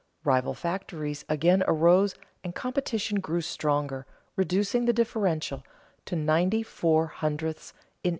Rival factories again arose and competition grew stronger, reducing the differential to ninety four hundredths in 1894.